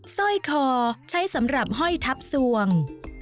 สร้อยคอใช้สำหรับห้อยทับสวง